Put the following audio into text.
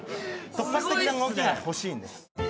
突発的な動きが欲しいんです